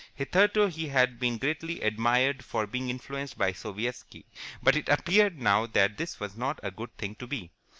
Hitherto he had been greatly admired for being influenced by Sovietski, but it appeared now that this was not a good thing to be.